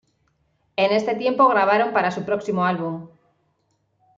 En este tiempo grabaron para su próximo álbum.